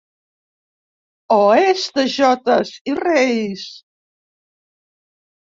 O és de jotes i reis?